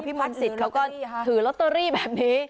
พี่มนต์สิตเขาก็ถือล็อตเตอรี่แบบนี้